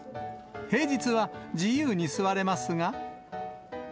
平日は自由に座れますが。